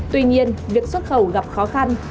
tuy nhiên việc xuất khẩu gặp khó khăn